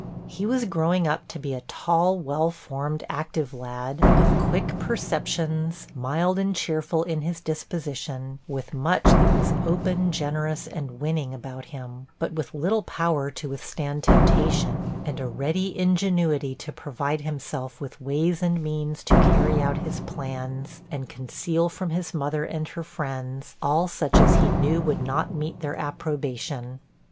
He was growing up to be a tall, well formed, active lad, of quick perceptions, mild and cheerful in his disposition, with much that was open, generous and winning about him, but with little power to withstand temptation, and a ready ingenuity to provide himself with ways and means to carry out his plans, and conceal from his mother and her friends, all such as he knew would not meet their approbation.